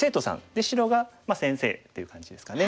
で白が先生っていう感じですかね。